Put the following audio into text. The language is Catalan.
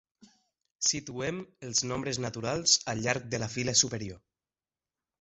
Situem els nombres naturals al llarg de la fila superior.